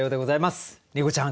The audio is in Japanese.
りんごちゃん